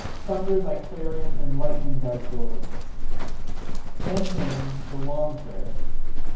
Thunder thy clarion and lightning thy sword! Then came the "long" prayer.